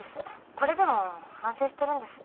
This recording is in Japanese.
これでも反省してるんです。